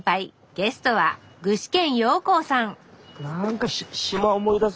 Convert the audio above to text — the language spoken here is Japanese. ゲストは具志堅用高さん